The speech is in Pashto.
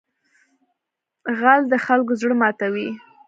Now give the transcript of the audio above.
غل د خلکو زړه ماتوي